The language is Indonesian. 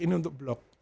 ini untuk block